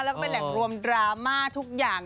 แล้วก็เป็นแหล่งรวมดราม่าทุกอย่าง